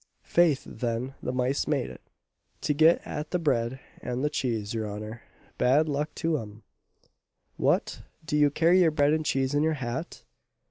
'Faith, then, the mice made it, to get at the bread and the cheese, your honour bad luck to 'em!" "What! do you carry your bread and cheese in your hat?"